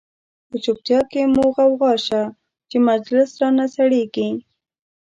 په چوپتیا کی مو غوغا شه، چه مجلس را نه سړیږی